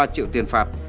ba triệu tiền phạt